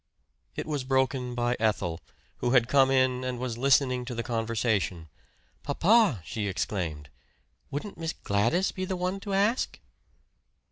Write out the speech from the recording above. It was broken by Ethel, who had come in and was listening to the conversation. "Papa!" she exclaimed, "wouldn't Miss Gladys be the one to ask?"